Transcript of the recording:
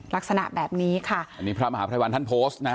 ลักษณะแบบนี้ค่ะอันนี้พระมหาภัยวันท่านโพสต์นะฮะ